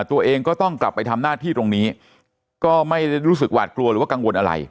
ตัวเองก็ต้องกลับไปทำหน้าที่ตรงนี้ก็ไม่ได้รู้สึกหวาดกลัวหรือว่ากังวลอะไร